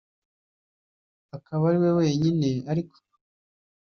Akaba atari we wenyine ariko